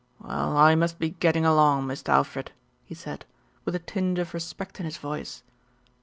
Well, I must be getting along, Mist' Alfred," he said, with a tinge of respect in his voice.